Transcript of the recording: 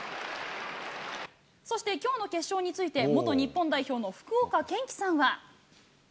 そして、きょうの決勝について、元日本代表の福岡堅樹さんは。